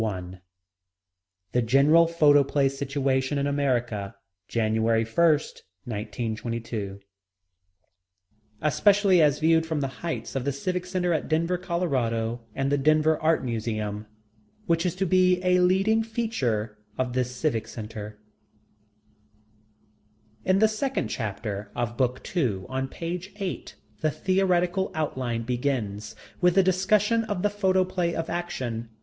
BOOK I THE GENERAL PHOTOPLAY SITUATION IN AMERICA, JANUARY 1, 1922 Especially as Viewed from the Heights of the Civic Centre at Denver, Colorado, and the Denver Art Museum, Which Is to Be a Leading Feature of This Civic Centre In the second chapter of book two, on page 8, the theoretical outline begins, with a discussion of the Photoplay of Action.